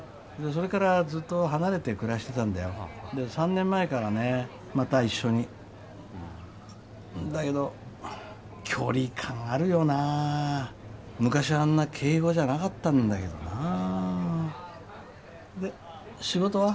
それからずっと離れて暮らしてたんだよで３年前からねまた一緒にふんだけど距離感あるよな昔はあんな敬語じゃなかったんだけどなで仕事は？